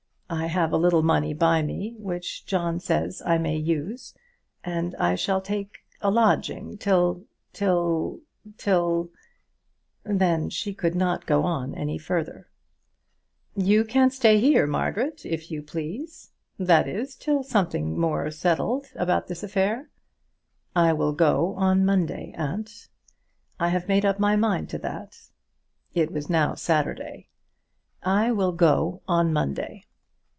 I have a little money by me, which John says I may use, and I shall take a lodging till till till " Then she could not go on any further. "You can stay here, Margaret, if you please; that is till something more is settled about all this affair." "I will go on Monday, aunt. I have made up my mind to that." It was now Saturday. "I will go on Monday.